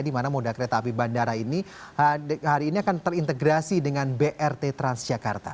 di mana moda kereta api bandara ini hari ini akan terintegrasi dengan brt transjakarta